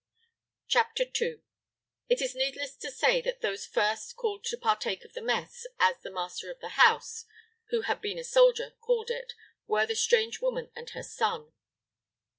CHAPTER II. It is needless to say that those first called to partake of the mess, as the master of the house, who had been a soldier, called it, were the strange woman and her son.